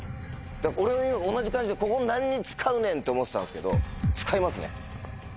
俺も今同じ感じでここ何に使うねんって思ってたんですけど使いますね。